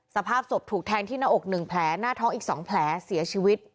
สภาพศพถูกแทงที่หน้าอก๑แผลหน้าท้องอีก๒แผลเสียชีวิต